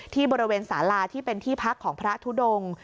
ที่บริเวณสาลาที่เป็นที่พักของพระทุดง